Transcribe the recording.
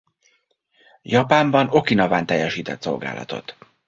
Japánban Okinawán teljesített szolgálatot.